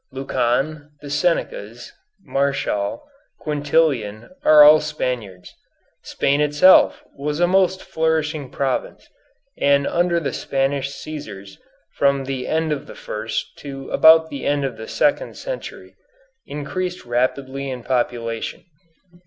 Lucan, the Senecas, Martial, Quintilian, are all Spaniards. Spain itself was a most flourishing province, and under the Spanish Cæsars, from the end of the first to about the end of the second century, increased rapidly in population.